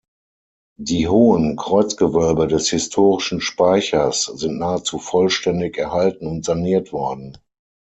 Die hohen Kreuzgewölbe des historischen Speichers sind nahezu vollständig erhalten und saniert worden.